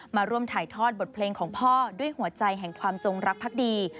มาร่วมถ่ายทอดบทเพลงของพ่อด้วยหัวใจแห่งความจงรักพักดี